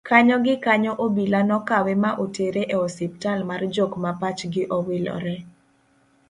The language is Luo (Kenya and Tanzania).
kanyo gi kanyo obila nokawe ma otere e ospital mar jok ma pachgi owilore